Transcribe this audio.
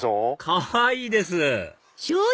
かわいいです！